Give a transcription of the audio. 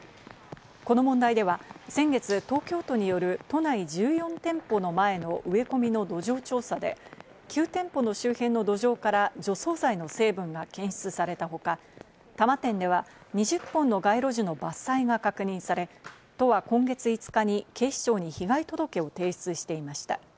この問題では先月、東京都による都内１４店舗の前の植え込みの土壌調査で、９店舗の周辺の土壌から除草剤の成分が検出されたほか、多摩店では２０本の街路樹の伐採が確認され、都は今月５日に警視庁に被害届を提出していました。